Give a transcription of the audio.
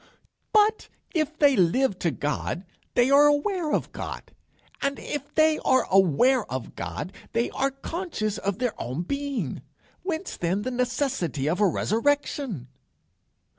"But if they live to God, they are aware of God. And if they are aware of God, they are conscious of their own being: Whence then the necessity of a resurrection?"